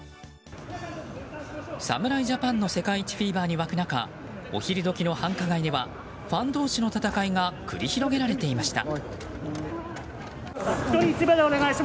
侍ジャパンの世界一フィーバーに沸く中お昼時の繁華街ではファン同士の戦いが繰り広げられていました。